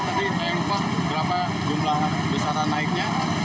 tadi saya lupa berapa jumlah besaran naiknya